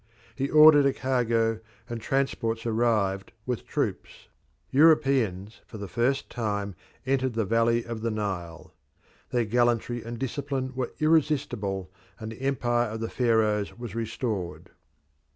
He ordered a cargo, and transports arrived with troops. Europeans for the first time entered the valley of the Nile. Their gallantry and discipline were irresistible, and the empire of the Pharaohs was restored.